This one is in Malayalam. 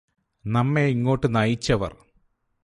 നമ്മെ ഇങ്ങോട്ട് നയിച്ചവർ